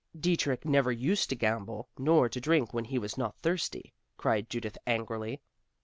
'" "Dietrich never used to gamble; nor to drink when he was not thirsty;" cried Judith angrily.